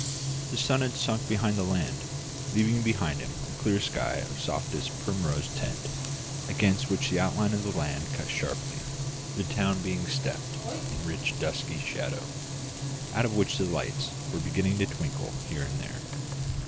The sun had sunk behind the land, leaving behind him a clear sky of softest primrose tint, against which the outline of the land cut sharply, the town being steeped in rich dusky shadow, out of which the lights were beginning to twinkle here and there.